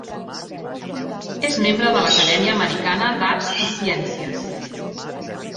És membre de l'Acadèmia Americana d'Arts i Ciències.